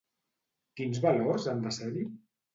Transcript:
Quins valors han de ser-hi?